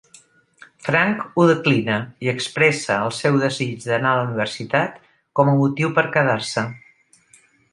Frank ho declina, i expressa el seu desig d'anar a la universitat com a motiu per quedar-se.